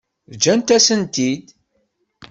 Ǧǧant-asent-ten-id.